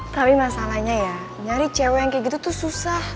tapi masalahnya ya nyari cewek yang kayak gitu tuh susah